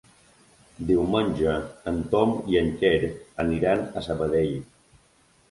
Diumenge en Tom i en Quer aniran a Sabadell.